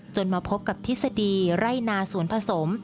มาพบกับทฤษฎีไร่นาสวนผสม